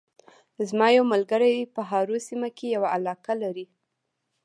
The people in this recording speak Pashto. زما یو ملګری په هارو سیمه کې یوه علاقه لري